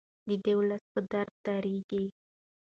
دی د ولس په درد دردیږي.